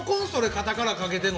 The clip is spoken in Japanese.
肩からかけてるの。